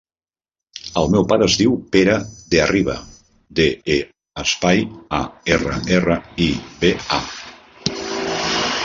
El meu pare es diu Pere De Arriba: de, e, espai, a, erra, erra, i, be, a.